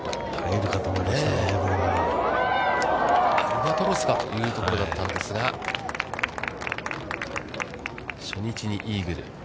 アルバトロスかというところだったんですが、初日にイーグル。